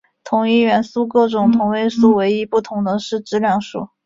同一元素各种同位素唯一不同的是质量数。